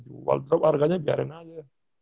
jual terus harganya biarin aja